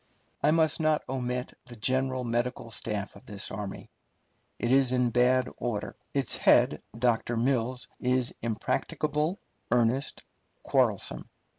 I must not omit the general medical staff of this army. It is in bad order. Its head, Dr. Mills, is impracticable, earnest, quarrelsome.